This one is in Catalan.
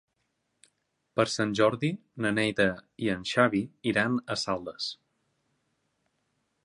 Per Sant Jordi na Neida i en Xavi iran a Saldes.